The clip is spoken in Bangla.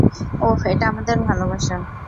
ওহ, এটা আমাদের ভালোবাসা।